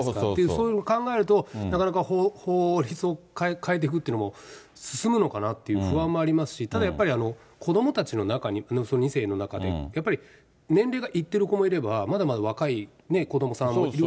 そういうのを考えると、なかなか法律を変えていくというのも、進むのかなっていう不安もありますし、ただやっぱり、子どもたちの中に、２世の中に、やっぱり年齢がいってる子もいれば、まだまだ若い子どもさんもいる。